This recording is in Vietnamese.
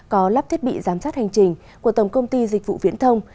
có lắp thiết bị giám sát hành trình của tổng công ty dịch vụ viễn thông